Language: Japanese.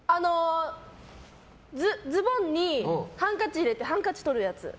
ズボンにハンカチ入れてハンカチとるやつ。